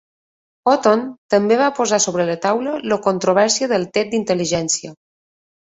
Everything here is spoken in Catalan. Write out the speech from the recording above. Hooton també va posar sobre la taula la controvèrsia del test d'intel·ligència.